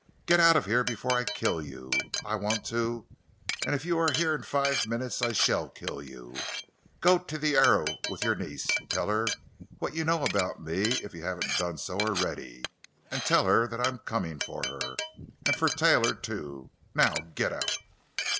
Get out of here before I kill you! I want to; and if you are here in five minutes, I shall kill you! Go to the Arrow—with your niece. Tell her what you know about me—if you haven't done so already. And tell her that I am coming for her—and for Taylor, too! Now, get out!"